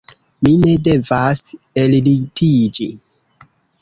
Mi ne devas ellitiĝi.«